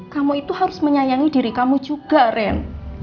kamu itu harus menyayangi diri kamu juga ren